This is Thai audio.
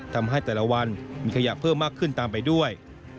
ทำให้แต่ละวันมีขยะเพิ่มมากขึ้นตามไปด้วย